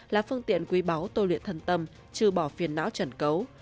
là phương tiện quý báu tô luyện thần tâm trừ bỏ phiền não trần cấu